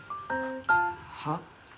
はっ？